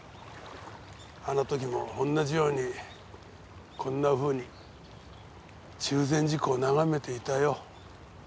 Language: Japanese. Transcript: あの時も同じようにこんなふうに中禅寺湖を眺めていたよ。